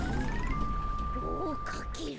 おかける！